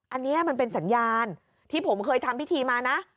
อันนี้มันเป็นสัญญาณที่ผมเคยทำพิธีมานะ